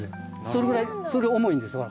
それぐらい重いんですわ。